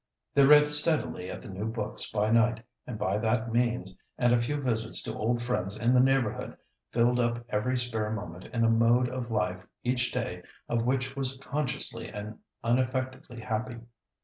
They read steadily at the new books by night, and by that means, and a few visits to old friends in the neighbourhood, filled up every spare moment in a mode of life each day of which was consciously and unaffectedly happy.